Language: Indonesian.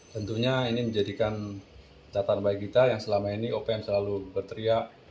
tentunya ini menjadikan tatan bagi kita yang selama ini opm selalu berteriak